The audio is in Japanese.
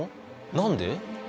何で？